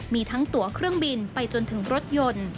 มีทั้งตัวเครื่องบินไปจนถึงรถยนต์